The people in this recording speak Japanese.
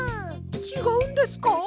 ちがうんですか？